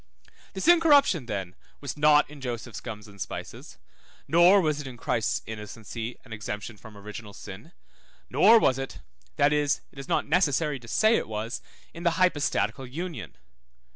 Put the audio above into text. This incorruption then was not in Joseph's gums and spices, nor was it in Christ's innocency, and exemption from original sin, nor was it (that is, it is not necessary to say it was) in the hypostatical union.